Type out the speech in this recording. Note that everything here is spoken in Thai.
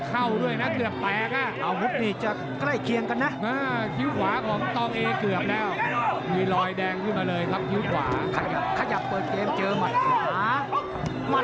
โหมยระดับนี้แหม่งโมย๔๕สียวผ้างไม่ได้ค่อยขยับค่อยละเรียกก็ไหวนะ